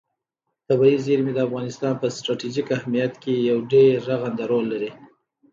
طبیعي زیرمې د افغانستان په ستراتیژیک اهمیت کې یو ډېر رغنده رول لري.